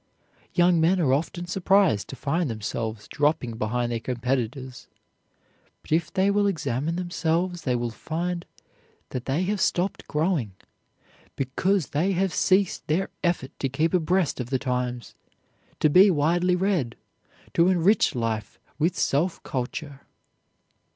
Young men are often surprised to find themselves dropping behind their competitors, but if they will examine themselves, they will find that they have stopped growing, because they have ceased their effort to keep abreast of the times, to be widely read, to enrich life with self culture.